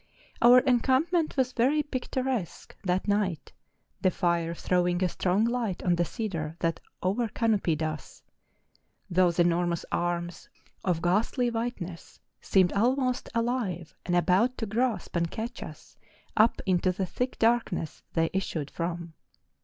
Our encampment was very picturesque that night, the fire throwing a strong light on the cedar that o'ercanopied us; those enormous arms, of ghastly whiteness, seemed almost alive and about to grasp and catch us up into the thick darkness they issued from.